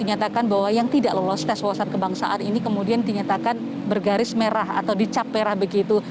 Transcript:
dinyatakan bahwa yang tidak lolos tes wawasan kebangsaan ini kemudian dinyatakan bergaris merah atau dicap merah begitu